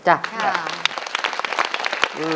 ใช่